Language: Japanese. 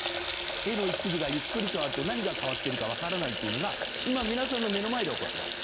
絵の一部がゆっくり変わると何が変わってるか分からないというのが今皆さんの目の前で起こってます。